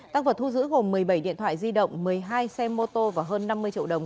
tăng vật thu giữ gồm một mươi bảy điện thoại di động một mươi hai xe mô tô và hơn năm mươi triệu đồng